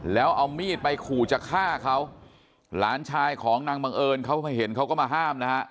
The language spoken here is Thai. แล้วเอามีดไปขู่จะฆ่าเขาหลานชายของนางบังเอิญเขาเห็นเขาก็มาห้ามนะฮะ